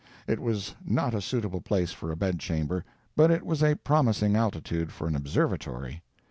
It was not a suitable place for a bedchamber, but it was a promising altitude for an observatory.